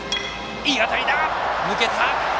いい当たりだ、抜けた。